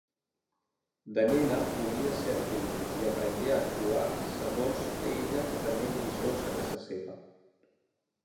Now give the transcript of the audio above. De nena volia ser actriu i aprengué actuar segons ella prenent lliçons a casa seva.